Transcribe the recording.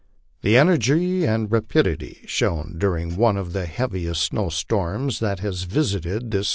The energy and rapidity shown during one of the heaviest anow otorms that has visited thl LIFE ON THE PLAINS.